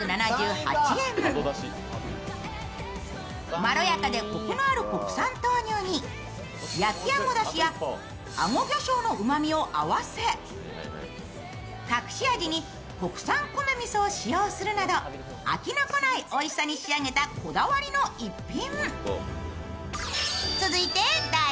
まろやかでこくのある国産豆乳に焼きあごだしやあご魚しょうのうまみを合わせ隠し味に国産米みそを使用するなど飽きのこないおいしさに仕上げたこだわりの逸品。